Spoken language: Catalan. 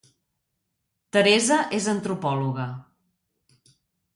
Teresa és antropòloga